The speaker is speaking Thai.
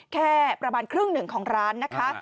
แค่ประมาณครึ่งหนึ่งของร้านนะคะ